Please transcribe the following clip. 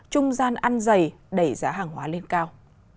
trung gian ăn dày đẩy giá hàng hóa lên cao